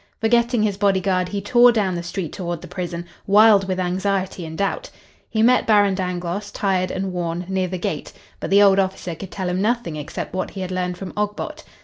Forgetting his bodyguard, he tore down the street toward the prison, wild with anxiety and doubt. He met Baron Dangloss, tired and worn, near the gate, but the old officer could tell him nothing except what he had learned from Ogbot.